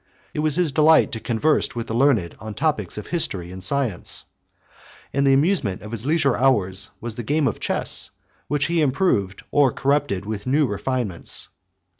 It was his delight to converse with the learned on topics of history and science; and the amusement of his leisure hours was the game of chess, which he improved or corrupted with new refinements.